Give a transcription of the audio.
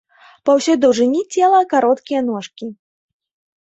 Па ўсёй даўжыні цела кароткія ножкі.